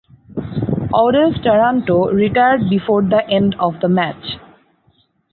Audace Taranto retired before the end of the match.